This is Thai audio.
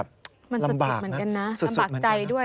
มันสุดสุดเหมือนกันนะลำบากใจด้วย